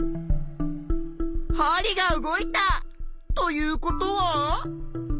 はりが動いた！ということは。